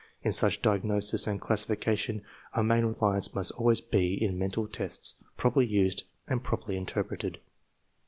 In such diagnosis and classification our main reliance must always be in mental tests, properly used and properly interpreted.